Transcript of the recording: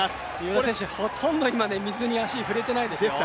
三浦選手ほとんど水に足、触れてないですよ。